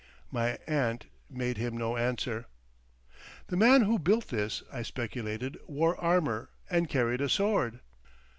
My aunt made him no answer. "The man who built this," I speculated, "wore armour and carried a sword."